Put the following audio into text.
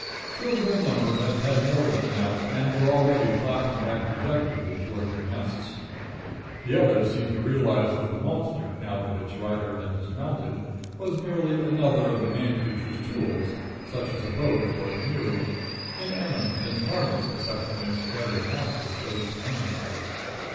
Two of their number had had more than enough, and were already flapping back dejectedly toward their nests. The others seemed to realize that the monster, now that its rider had dismounted, was merely another of the man creature's tools, such as a boat or a canoe, inanimate and harmless except when its dreaded master chose to animate it.